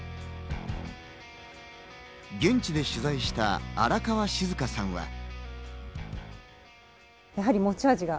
現地で取材した荒川静香さんは。